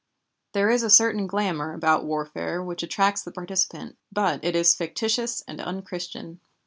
There is a certain glamour about warfare which attracts the participant, but it is fictitious and unchristian.